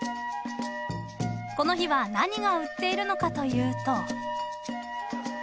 ［この日は何が売っているのかというと］